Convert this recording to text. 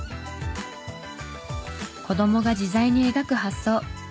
子供が自在に描く発想。